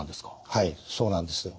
はいそうなんです。